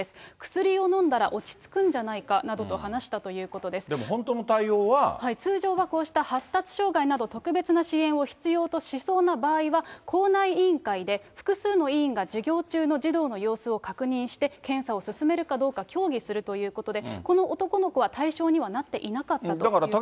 薬を飲んだら落ち着くんじゃないでも、通常は、こうした発達障害など特別な支援を必要としそうな場合は、校内委員会で複数の委員が授業中の児童の様子を確認して、検査を勧めるかどうか協議するということで、この男の子は対象にはなっていなかったということです。